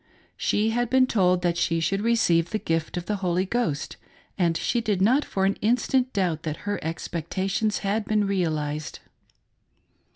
She had been told that she should receive the Gift of the Holy Ghost ; and she did not for an instant doubt that her expectations had been realized.